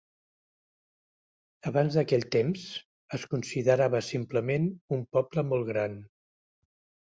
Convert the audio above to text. Abans d'aquell temps, es considerava simplement un poble molt gran.